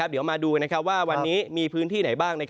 เดี๋ยวมาดูว่าวันนี้มีพื้นที่ไหนบ้าง